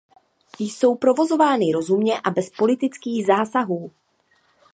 Jsou provozovány rozumně a bez politických zásahů.